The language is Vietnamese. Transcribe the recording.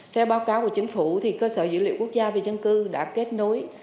theo báo cáo của chính phủ cơ sở dữ liệu quốc gia về dân cư đã kết nối